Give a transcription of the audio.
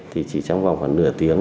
thì chỉ trong vòng khoảng nửa tiếng